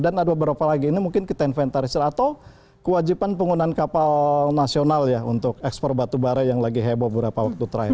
dan ada beberapa lagi ini mungkin kita inventarisir atau kewajiban penggunaan kapal nasional ya untuk ekspor batu bare yang lagi heboh beberapa waktu terakhir